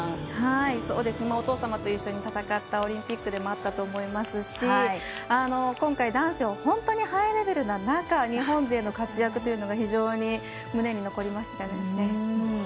お父様と一緒に戦ったオリンピックでもあったと思いますし今回、男子は本当にハイレベルな中日本勢の活躍が、非常に胸に残りましたね。